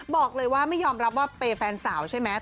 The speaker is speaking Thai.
บอกเลยว่าไม่ยอมรับว่าเปย์แฟนสาวใช่ไหม